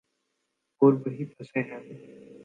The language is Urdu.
اور وہیں پھنسے ہیں۔